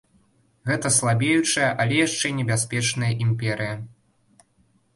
Гэта слабеючая, але яшчэ небяспечная імперыя.